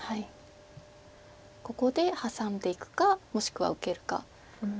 ここでハサんでいくかもしくは受けるか。